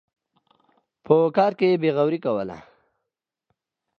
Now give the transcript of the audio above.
په کار کې بېغوري کوله.